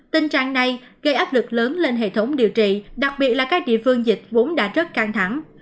tình trạng này gây áp lực lớn lên hệ thống điều trị đặc biệt là các địa phương dịch vốn đã rất căng thẳng